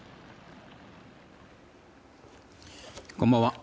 こんばんは。